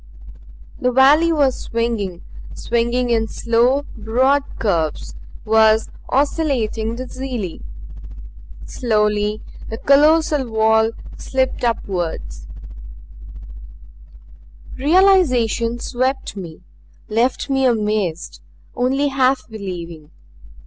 The valley was swinging swinging in slow broad curves; was oscillating dizzily. Slowly the colossal wall slipped upward. Realization swept me; left me amazed; only half believing.